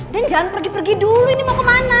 jangan pergi pergi dulu ini mau kemana